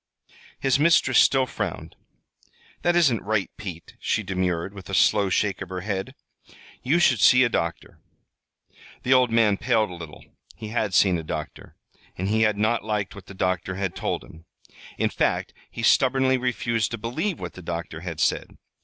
His mistress still frowned. "That isn't right, Pete," she demurred, with a slow shake of her head. "You should see a doctor." The old man paled a little. He had seen a doctor, and he had not liked what the doctor had told him. In fact, he stubbornly refused to believe what the doctor had said.